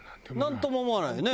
なんとも思わないよね？